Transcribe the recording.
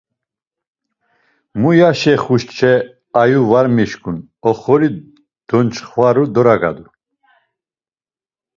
Muyaşe xuçe ayu var mişǩun, oxori donçxvaru doragadu.